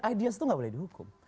itu tidak boleh dihukum